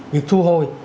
việc thu hồi